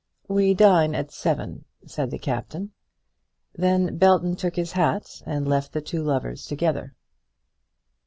"We dine at seven," said the Captain. Then Belton took his hat and left the two lovers together.